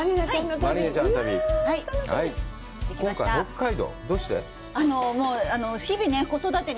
今回は北海道、どうして？